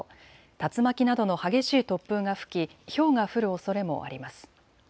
竜巻などの激しい突風が吹きひょうが降るおそれもあります。